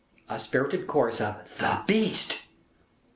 A spirited chorus of "The Beast!"